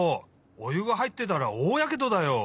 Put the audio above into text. おゆがはいってたらおおやけどだよ！